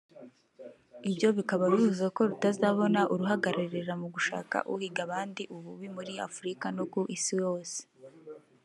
Ibyo bikaba bivuze ko rutazabona uruhagararira mu gushaka uhiga abandi ububi muri Afrika no ku isi yose